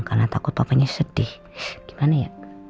karena takut papanya sedih gimana ya